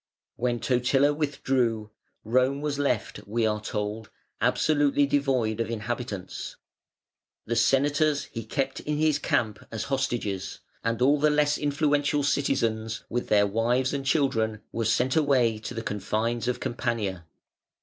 When Totila withdrew Rome was left, we are told, absolutely devoid of inhabitants. The Senators he kept in his camp as hostages, and all the less influential citizens with their wives and children were sent away to the confines of Campania.